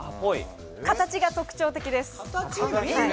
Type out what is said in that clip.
形が特徴的です。